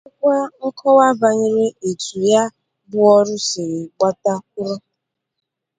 ma nyekwa nkọwa banyere etu ya bụ ọrụ siri gbata kwụrụ